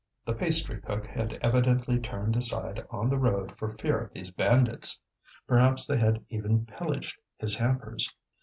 The pastrycook had evidently turned aside on the road for fear of these bandits. Perhaps they had even pillaged his hampers.